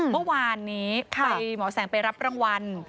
เมื่อวานนี้ไปหมอแสงไปรับรางวัล